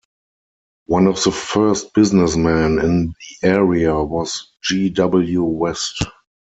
One of the first businessmen in the area was G. W. West.